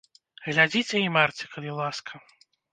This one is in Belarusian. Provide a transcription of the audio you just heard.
Глядзіце і марце, калі ласка.